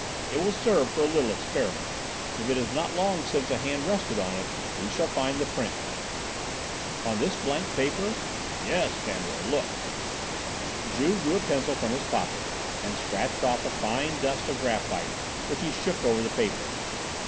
It will serve for a little experiment. If it is not long since a hand rested on it, we shall find the print." "On this blank paper?" "Yes, Fandor. Look!" Juve drew a pencil from his pocket and scratched off a fine dust of graphite which he shook over the paper.